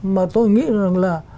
mà tôi nghĩ là